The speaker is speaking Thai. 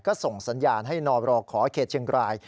ก็ส่งสัญญาณให้นบรขอเขตเชียงราย